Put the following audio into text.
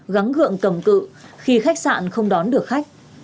gắn gượng cầm cự khi khách sạn không đón được khách